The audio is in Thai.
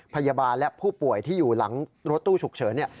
พยาบาลและผู้ป่วยที่อยู่หลังรถตู้ฉุกเฉิน